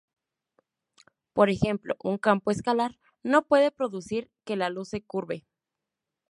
Por ejemplo, un campo escalar no puede producir que la luz se curve.